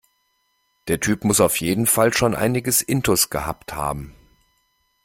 Der Typ muss auf jeden Fall schon einiges intus gehabt haben.